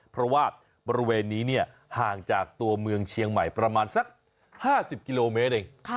เพราะว่าบริเวณนี้ห่างจากตัวเมืองเชียงใหม่ประมาณสัก๕๐กิโลเมตรเอง